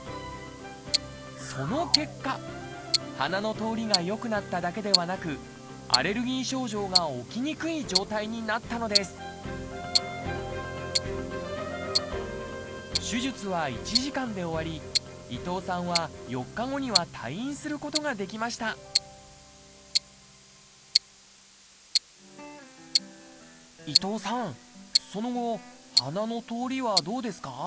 その結果鼻の通りが良くなっただけではなくアレルギー症状が起きにくい状態になったのです手術は１時間で終わり伊藤さんは４日後には退院することができました伊藤さんその後鼻の通りはどうですか？